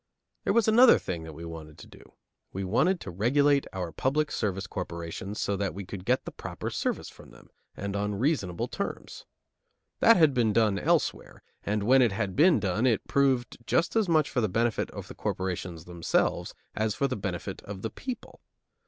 There was another thing that we wanted to do: We wanted to regulate our public service corporations so that we could get the proper service from them, and on reasonable terms. That had been done elsewhere, and where it had been done it had proved just as much for the benefit of the corporations themselves as for the benefit of the people.